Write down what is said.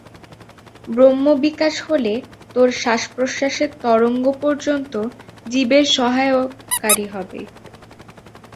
ব্রহ্মবিকাশ হলে তোর শ্বাসপ্রশ্বাসের তরঙ্গ পর্যন্ত জীবের সহায়কারী হবে।